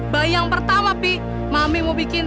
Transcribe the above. bayang pertama pi mami mau bikin